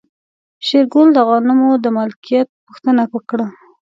شېرګل د غنمو د مالکيت پوښتنه وکړه.